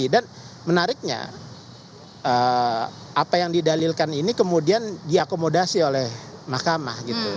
dan menariknya apa yang didalilkan ini kemudian diakomodasi oleh mahkamah gitu